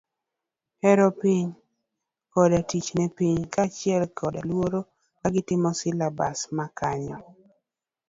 Hero piny, koda tich ne piny kachiel koda luor kagitimo silabas ma kanyo.